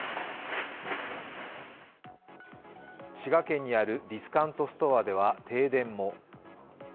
滋賀県にあるディスカウントストアでは停電も。